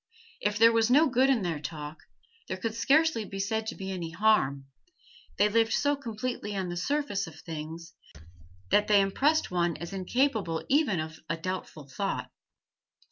If there was no good in their talk, there could scarcely be said to be any harm; they lived so completely on the surface of things that they impressed one as incapable even of a doubtful thought.